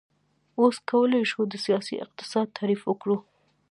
اوس کولی شو د سیاسي اقتصاد تعریف وکړو.